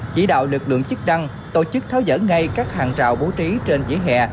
chỉ đạo lực lượng chức năng tổ chức tháo dỡ ngay các hàng rào bố trí trên vỉa hè